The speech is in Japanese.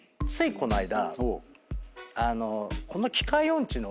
この間。